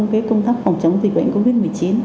cái công tác phòng chống dịch bệnh covid một mươi chín